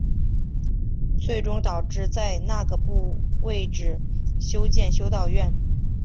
最终导致在那个位置修建修道院。